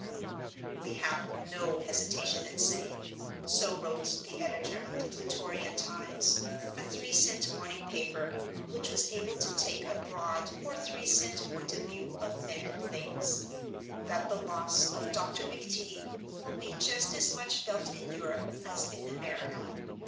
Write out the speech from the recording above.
"We have no hesitation in saying," so wrote the editor of the Plutorian Times, a three cent morning paper, which was able to take a broad or three cent point of view of men and things, "that the loss of Dr. McTeague will be just as much felt in Europe as in America.